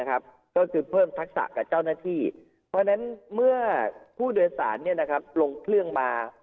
ก็คือเพิ่มทักษะกับเจ้าหน้าที่เพราะฉะนั้นเมื่อผู้โดยสารลงเครื่องมา